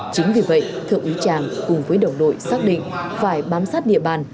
chính vì vậy thượng úy tràng cùng với đồng đội xác định phải bám sát địa bàn